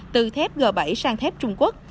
từ thép g bảy sang thép trung quốc